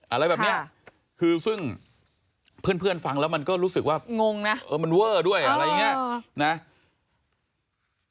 อะไรแบบเนี้ยคือซึ่งเพื่อนฟังแล้วมันก็รู้สึกว่างงนะเออมันเวอร์ด้วยอะไรอย่างนี้นะ